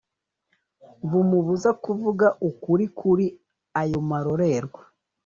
bumubuza kuvuga ukuri kuri ayo marorerwa.